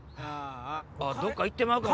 どっか行ってまうかも。